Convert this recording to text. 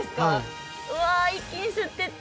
うわ一気に吸ってった。